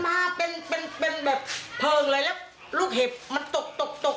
มาเป็นเป็นแบบเพลิงเลยแล้วลูกเห็บมันตกตกตก